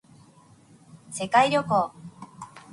世界旅行